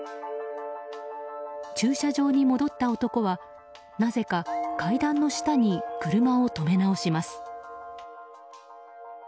駐車場に戻った男はなぜか、階段の下に車を止め直します。